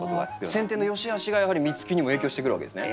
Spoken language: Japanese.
せん定のよしあしがやはり実つきにも影響してくるわけですね？